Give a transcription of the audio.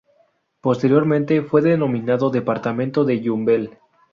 Posteriormente fue denominado Departamento de Yumbel.